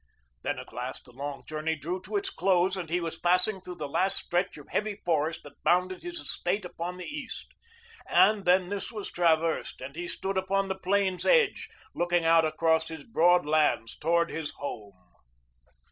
Then at last the long journey drew to its close and he was passing through the last stretch of heavy forest that bounded his estate upon the east, and then this was traversed and he stood upon the plain's edge looking out across his broad lands towards his home.